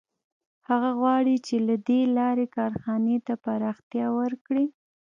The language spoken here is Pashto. هغه غواړي چې له دې لارې کارخانې ته پراختیا ورکړي